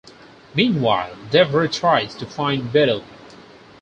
Meanwhile, Devray tries to find Beddle.